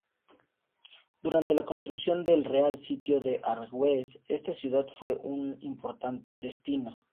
Durante la construcción del Real Sitio de Aranjuez, esta ciudad fue un importante destino.